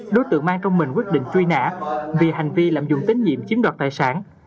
đối tượng mang trong mình quyết định truy nã vì hành vi lạm dụng tín nhiệm chiếm đoạt tài sản